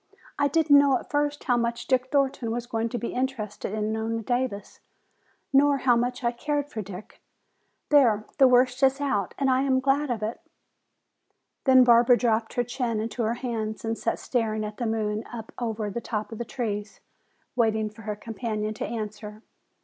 I didn't know at first how much Dick Thornton was going to be interested in Nona Davis, nor how much I cared for Dick. There, the worst is out and I am glad of it!" Then Barbara dropped her chin into her hands and sat staring at the moon up over the top of the trees, waiting for her companion to answer.